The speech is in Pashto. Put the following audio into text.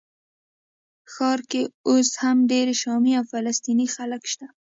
ښار کې اوس هم ډېر شامي او فلسطیني خلک شته.